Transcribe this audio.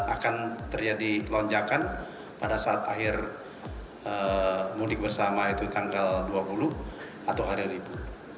akan terjadi lonjakan pada saat akhir mudik bersama itu tanggal dua puluh atau hari ribu